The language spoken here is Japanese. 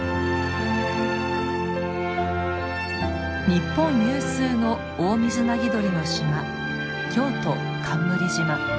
日本有数のオオミズナギドリの島京都冠島。